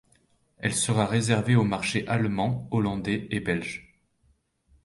Elle sera réservée aux marchés allemands, hollandais et belges.